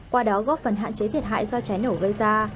qua đó góp phần hạn chế thiệt hại do cháy nổ gây ra